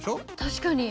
確かに！